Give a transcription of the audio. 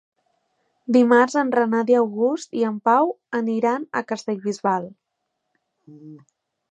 Dimarts en Renat August i en Pau aniran a Castellbisbal.